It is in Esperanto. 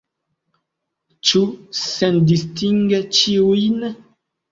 Ĉu sendistinge ĉiujn?